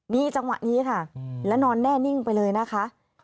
มีจังหวะนี้ค่ะแล้วนอนแน่นิ่งไปเลยนะคะ